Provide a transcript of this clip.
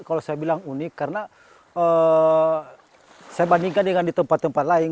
kalau saya bilang unik karena saya bandingkan dengan di tempat tempat lain